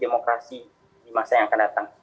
demokrasi di masa yang akan datang